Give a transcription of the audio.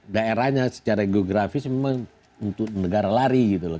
daerahnya secara geografis memang untuk negara lari gitu loh